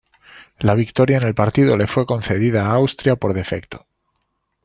La victoria en el partido le fue concedida a Austria por defecto.